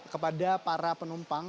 kepada para penumpang